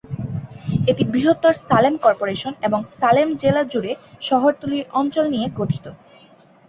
এটি বৃহত্তর সালেম কর্পোরেশন এবং সালেম জেলা জুড়ে শহরতলির অঞ্চল নিয়ে গঠিত।